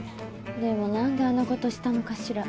でも何であんなことしたのかしら？